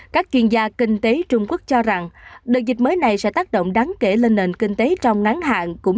các chuyên gia kinh tế trung quốc cho rằng đợt dịch mới này sẽ tác động đáng kể lên nền kinh tế trong ngắn hạn cũng